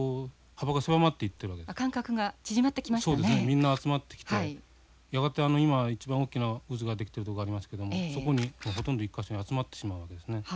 みんな集まってきてやがて今一番大きな渦が出来てるとこありますけどもそこにほとんど１か所に集まってしまうわけですね。